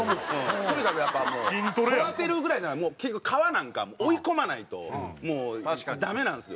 とにかくやっぱ育てるぐらいならもう結構革なんか追い込まないともうダメなんですよ。